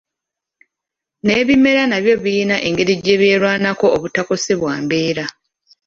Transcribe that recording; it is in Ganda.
N'ebimera nabyo biyina engeri gye byerwanako obutakosebwa mbeera.